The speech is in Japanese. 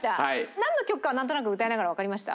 何の曲かはなんとなく歌いながらわかりました？